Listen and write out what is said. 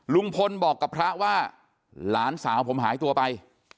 ลุงพลบอกกับพระว่าหลานสาวผมหายตัวไป